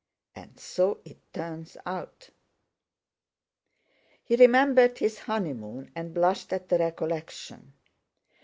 And so it turns out." He remembered his honeymoon and blushed at the recollection.